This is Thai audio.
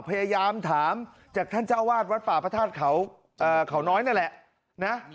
พยายามถามจากท่านเจ้าวาดวัดป่าพระธาตุเขาน้อยนั่นแหละนะ